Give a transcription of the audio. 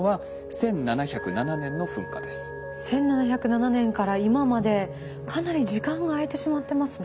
１７０７年から今までかなり時間が空いてしまってますね。